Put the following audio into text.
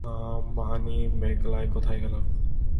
মানিমেগলাই কোথায় গেল?